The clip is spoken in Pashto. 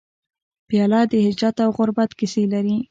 پیاله د هجرت او غربت کیسې لري.